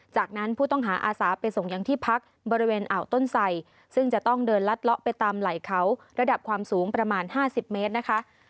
จากนั้นผู้ต้องหาอาสาไปส่งยังที่พักบริเวณอ่าวต้นไสซึ่งจะต้องเดินลัดเลาะไปตามไหล่เขาระดับความสูงประมาณ๕๐เมตรนะคะ